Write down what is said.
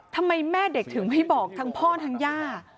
ทำไมแม่เด็กถึงไม่บอกทั้งพ่อทั้งย่า